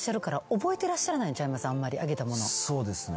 そうですね。